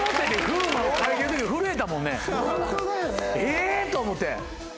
え！と思て。